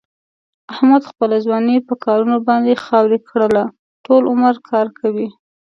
احمد خپله ځواني په کارونو باندې خاورې کړله. ټول عمر کار کوي.